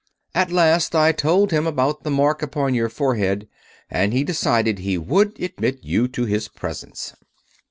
At last I told him about the mark upon your forehead, and he decided he would admit you to his presence."